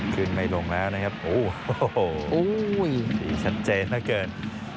ไม่ลงแล้วนะครับโอ้โหสีชัดเจนเหลือเกิน